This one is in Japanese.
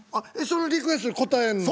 そのリクエストに応えんの？